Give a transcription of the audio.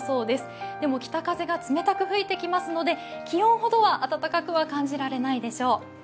でも北風が冷たく吹いてきますので気温ほどは暖かくは感じられないでしょう。